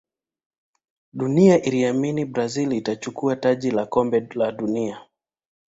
dunia iliamini brazil atachukua taji la kombe la dunia